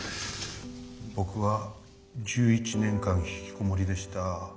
僕は１１年間ひきこもりでした。